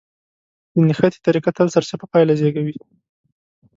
د نښتې طريقه تل سرچپه پايله زېږوي.